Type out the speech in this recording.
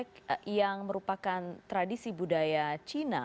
namun seiring perayaan imlek yang merupakan tradisi budaya cina